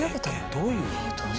どういう。